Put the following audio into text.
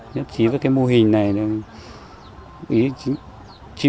nhất trí với cái mô hình này ý trí bộ